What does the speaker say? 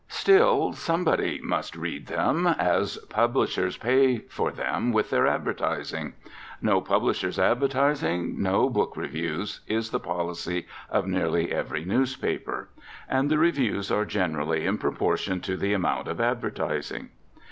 Still somebody must read them, as publishers pay for them with their advertising. No publishers' advertising, no book reviews, is the policy of nearly every newspaper; and the reviews are generally in proportion to the amount of advertising.